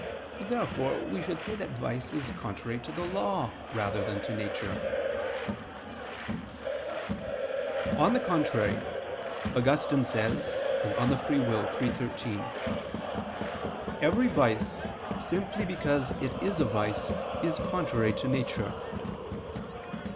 Therefore we should say that vice is contrary to the Law, rather than to nature. On the contrary, Augustine says (De Lib. Arb. iii, 13): "Every vice, simply because it is a vice, is contrary to nature."